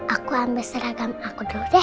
aku ambil serahkan aku dulu deh